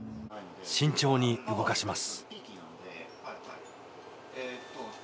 慎重に動かします。